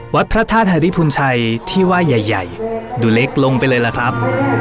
พระธาตุฮาริพุนชัยที่ว่าใหญ่ดูเล็กลงไปเลยล่ะครับ